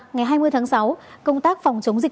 ngày hai mươi tháng sáu công tác phòng chống dịch